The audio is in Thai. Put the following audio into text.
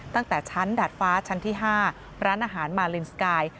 ตั้งแต่ชั้นดาดฟ้าชั้นที่๕ร้านอาหารมาลินสกาย